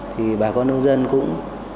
thì bà con nông dân cũng